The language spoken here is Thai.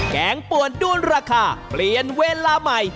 แกงป่วนด้วนราคาเปลี่ยนเวลาใหม่